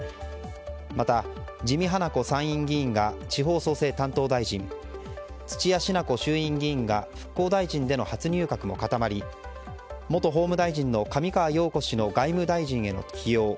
また自見英子参院議員が地方創生担当大臣土屋品子衆議院議員が復興大臣での初入閣も固まり元法務大臣の上川陽子氏の外務大臣への起用